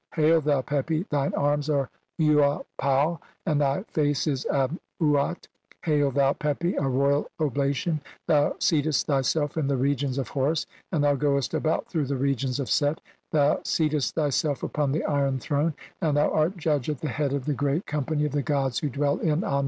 Hail, thou Pepi, thine arms are "Uapau, and thy face is Ap uat. (a.3) Hail, thou Pepi, "a royal oblation ! thou seatest thyself in the regions "of Horus, and thou goest about through the regions "of Set ; thou seatest thyself upon the iron throne, "(44) and thou art judge at the head of the Great "Company of the gods who dwell in Annu.